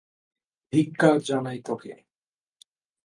ধিক্কার জানাই তোকে!